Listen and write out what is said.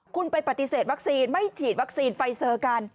คุณไปปฏิเสธวัคซีนไม่ฉีดวัคซีนไฟเซอร์กัน